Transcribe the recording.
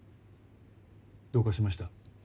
どうかしました？